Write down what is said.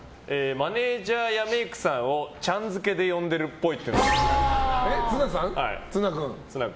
マネジャーやメイクさんをちゃん付けで呼んでるっぽい。